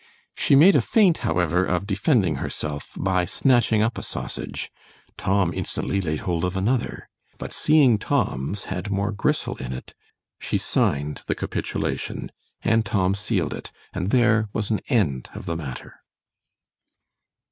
She made a feint however of defending herself, by snatching up a sausage:——Tom instantly laid hold of another—— But seeing Tom's had more gristle in it—— She signed the capitulation——and Tom sealed it; and there was an end of the matter.